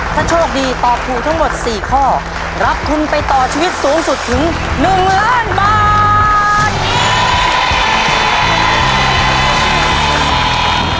ถ้าโชคดีตอบถูกทั้งหมด๔ข้อรับทุนไปต่อชีวิตสูงสุดถึง๑ล้านบาท